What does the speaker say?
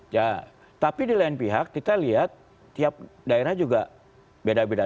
ya tapi di lain pihak kita lihat tiap daerah juga beda beda